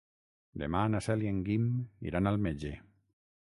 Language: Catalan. Demà na Cel i en Guim iran al metge.